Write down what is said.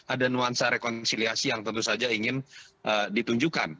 ada nuansa rekonsiliasi yang tentu saja ingin ditunjukkan